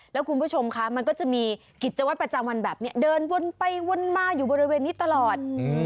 แล้วคุณผู้ชมคะมันก็จะมีกิจวัตรประจำวันแบบนี้เดินวนไปวนมาอยู่บริเวณนี้ตลอด